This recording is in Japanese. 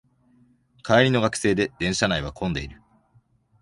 帰りの学生で電車内は混んでいる